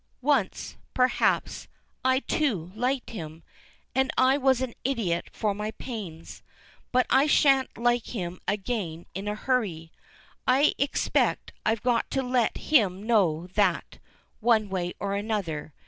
Once, perhaps, I, too, liked him, and I was an idiot for my pains; but I shan't like him again in a hurry. I expect I've got to let him know that, one way or another.